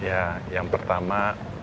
ya yang pertama